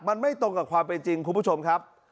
มันไม่ตรงกับความเป็นจริงคุณผู้ชมครับ